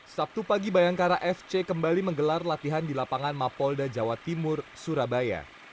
sabtu pagi bayangkara fc kembali menggelar latihan di lapangan mapolda jawa timur surabaya